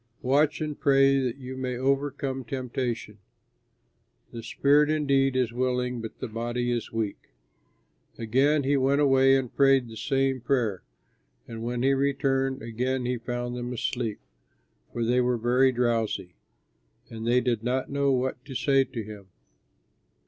Watch and pray that you may overcome temptation. The spirit indeed is willing, but the body is weak." Again he went away and prayed the same prayer. And when he returned, again he found them asleep, for they were very drowsy; and they did not know what to say to him.